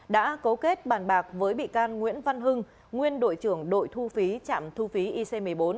đã cấu kết bàn bạc với bị can nguyễn văn hưng nguyên đội trưởng đội thu phí trạm thu phí ic một mươi bốn